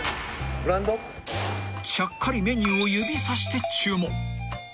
［ちゃっかりメニューを指さして注文］